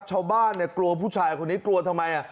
ชาวบ้านกลัวผู้ชายคนนี้กลัวทำไม